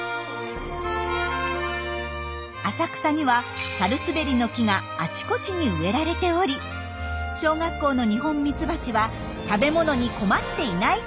浅草にはサルスベリの木があちこちに植えられており小学校のニホンミツバチは食べ物に困っていないことがわかりました。